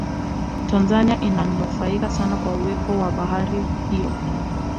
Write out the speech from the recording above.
tanzania inanufaika sana kwa uwepo wa bahari hiyo